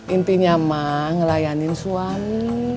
intinya mak ngelayanin suami